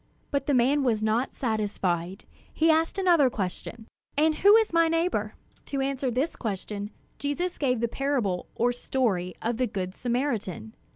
But the man was not satisfied. He asked another question: "And who is my neighbor?" To answer this question, Jesus gave the parable or story of "The Good Samaritan."